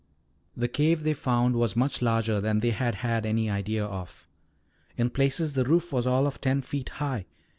The cave they found was much larger than they had had any idea of. In places the roof was all of ten feet high.